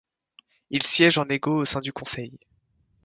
Ils siègent en égaux au sein du Conseil.